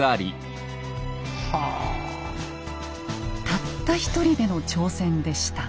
たった一人での挑戦でした。